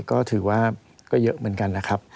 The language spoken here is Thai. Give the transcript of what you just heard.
ก็ถือว่าก็เยอะเหมือนกันนะครับ